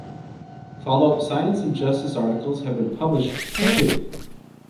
Followup "Science and Justice" articles have been published, too.